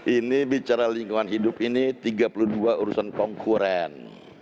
ini bicara lingkungan hidup ini tiga puluh dua urusan konkuren